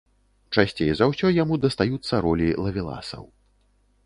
Часцей за ўсё яму дастаюцца ролі лавеласаў.